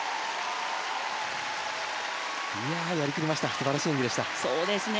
素晴らしい演技でした。